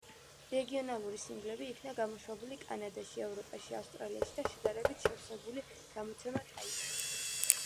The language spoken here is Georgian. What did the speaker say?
რეგიონალური სინგლები იქნა გამოშვებული კანადაში, ევროპაში, ავსტრალიაში, და შედარებით შევსებული გამოცემა ტაივანში.